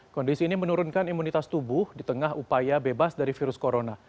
kondisi ini menurunkan imunitas tubuh di tengah upaya bebas dari virus corona